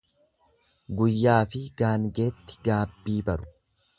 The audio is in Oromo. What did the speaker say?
Gayyaafi gaangeetti gaabbii baru.